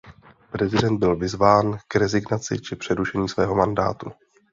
Prezident byl vyzván k rezignaci či přerušení svého mandátu.